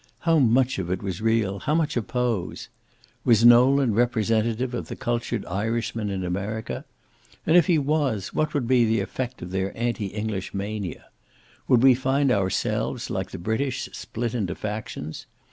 How much of it was real, how much a pose? Was Nolan representative of the cultured Irishman in America? And if he was, what would be the effect of their anti English mania? Would we find ourselves, like the British, split into factions?